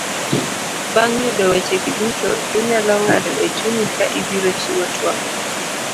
Bang' yudo weche gi duto, inyalo ng'ado e chunyi ka ibiro chiwo tuak.